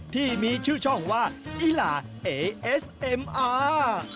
ที่มีชื่อช่องว่าอีลาเอเอสเอ็มอาร์